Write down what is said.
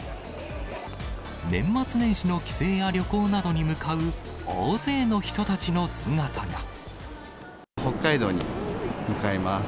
年末年始の帰省や旅行などに北海道に向かいます。